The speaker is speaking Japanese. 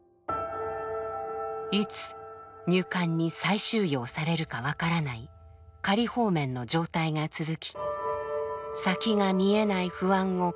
いつ入管に再収容されるか分からない「仮放免」の状態が続き先が見えない不安を抱えています。